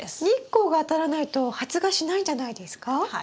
日光が当たらないと発芽しないんじゃないですか？